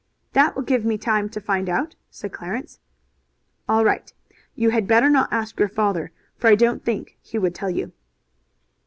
"That will give me time to find out," said Clarence. "All right! You had better not ask your father, for I don't think he would tell you."